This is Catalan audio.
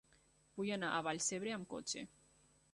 Vull anar a Vallcebre amb cotxe.